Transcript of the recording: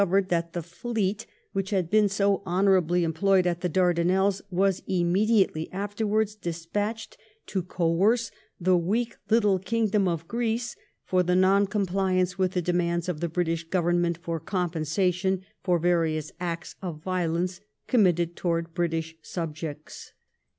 disoorered that the fleet which had been so honoarably employed at the Dardanelles was immediately afteiv wards despatched to coerce the weak little kingdom of Greece for the non compliance with the demands of the British OoYcmment for compensation for varioos acts of violence committed towards British subjects.